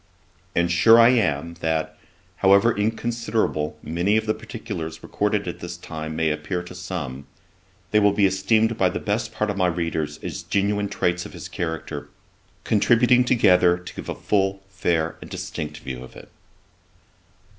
And sure I am, that, however inconsiderable many of the particulars recorded at this time may appear to some, they will be esteemed by the best part of my readers as genuine traits of his character, contributing together to give a full, fair, and distinct view of it.